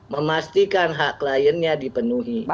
memastikan hak kliennya dipenuhi